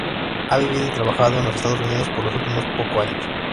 Ha vivido y trabajado en los Estados Unidos por los últimos pocos años.